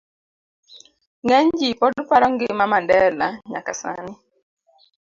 C. Ng'eny ji pod paro ngima Mandela nyaka sani